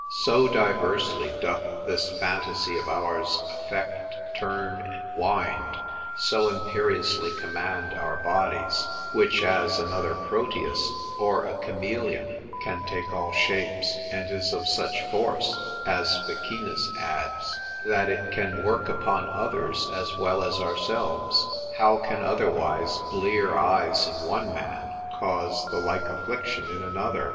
So diversely doth this phantasy of ours affect, turn, and wind, so imperiously command our bodies, which as another Proteus, or a chameleon, can take all shapes; and is of such force (as Ficinus adds), that it can work upon others, as well as ourselves. How can otherwise blear eyes in one man cause the like affection in another?